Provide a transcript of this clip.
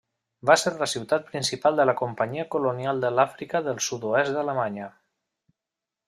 Va ser la ciutat principal de la Companyia Colonial de l'Àfrica del Sud-oest Alemanya.